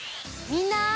みんな！